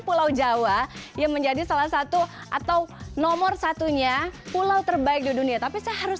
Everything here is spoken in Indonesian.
pulau jawa yang menjadi salah satu atau nomor satunya pulau terbaik di dunia tapi saya harus